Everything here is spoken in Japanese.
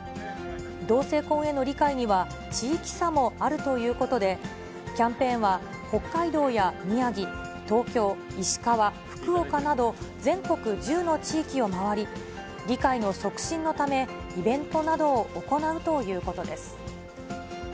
同性婚への理解には、地域差もあるということで、キャンペーンは北海道や宮城、東京、石川、福岡など、全国１０の地域を回り、理解の促進のため、イベントなどを行うということです。